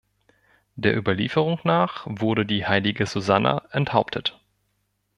Der Überlieferung nach wurde die heilige Susanna enthauptet.